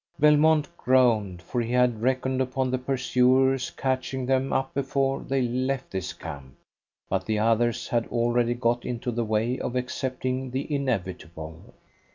Belmont groaned, for he had reckoned upon the pursuers catching them up before they left this camp. But the others had already got into the way of accepting the inevitable.